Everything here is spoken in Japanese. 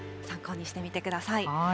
参考にしてみてください。